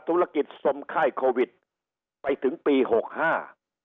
ธุรกิจสมไข้โควิดไปถึงปีหกห้า